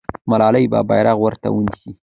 ملالۍ به بیرغ ورته ونیسي.